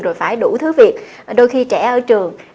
rồi phải đủ thứ việc đôi khi trẻ ở trường